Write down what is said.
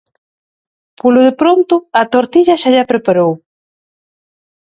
Polo de pronto a tortilla xa lla preparou.